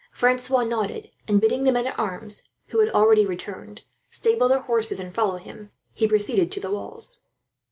Francois nodded and, bidding the men at arms, who had already returned, stable their horses and follow him, he proceeded to the walls.